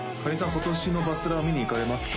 今年のバスラは見に行かれますか？